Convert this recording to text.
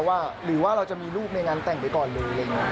ว่าหรือว่าเราจะมีลูกในงานแต่งไปก่อนเลย